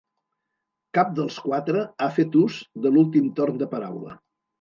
Cap dels quatre ha fet ús de l’últim torn de paraula.